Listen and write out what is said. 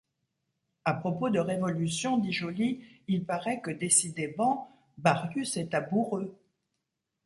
À propos de révolution, dit Joly, il paraît que décidébent Barius est aboureux.